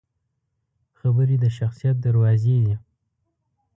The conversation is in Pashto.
خبرې د شخصیت دروازې دي